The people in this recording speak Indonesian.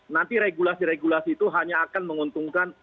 nanti regulasi regulasi itu hanya akan menguntungkan